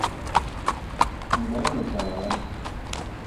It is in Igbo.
mgbe e mechara ya